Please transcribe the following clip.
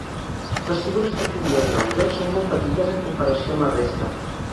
Les figures de Tobies i l'àngel són molt petites en comparació amb la resta.